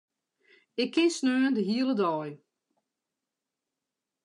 Ik kin saterdei de hiele dei.